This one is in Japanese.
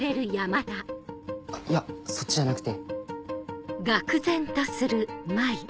いやそっちじゃなくて。